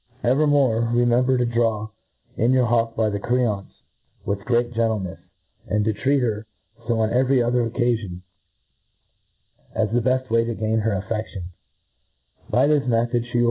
Evermore remember to draw in your hawk by the creance withgreat gen tlenefs, and to treat her fo on every other occafion, as the iDeft way to ^in her aflfeaioii. By this ■ method, fhe will.